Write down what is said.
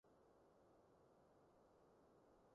我未化妝呀